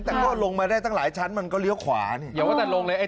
แต่ก็ลงมาได้ตั้งหลายชั้นมันก็เลี้ยวขวานี่อย่าว่าแต่ลงเลย